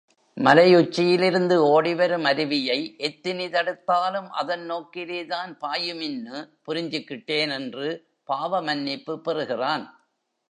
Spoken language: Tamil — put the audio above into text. மலை உச்சியிலிருந்து ஓடிவரும் அருவியை எத்தினி தடுத்தாலும் அதன் நோக்கிலேதான் பாயுமின்னு புரிஞ்சுகிட்டேன்! என்று பாவ மன்னிப்பு பெறுகிறான்.